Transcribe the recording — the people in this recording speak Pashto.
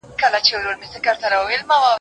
د پاچا لمن لاسونو كي روان وه